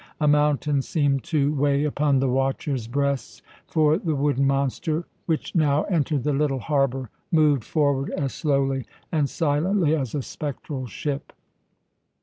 A mountain seemed to weigh upon the watchers' breasts, for the wooden monster which now entered the little harbour moved forward as slowly and silently as a spectral ship.